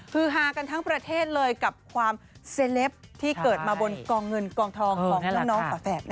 คือฮากันทั้งประเทศเลยกับความเซลปที่เกิดมาบนกองเงินกองทองของน้องฝาแฝด